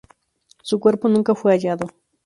Su cuerpo nunca fue hallado.